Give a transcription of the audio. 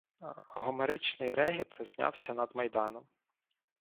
Гомеричний регіт знявся над майданом.